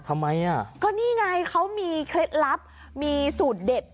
ทำไมอ่ะก็นี่ไงเขามีเคล็ดลับมีสูตรเด็ด